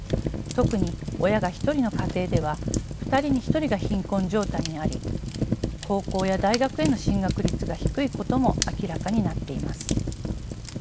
特に親が一人の家庭では２人に１人が貧困状態にあり高校や大学への進学率が低いことも明らかになっています。